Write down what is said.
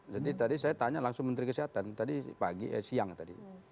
jadi tadi saya tanya langsung menteri kesehatan tadi siang tadi